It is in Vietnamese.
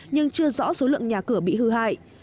nhưng chưa rõ số lượng nhà cửa bị hư hại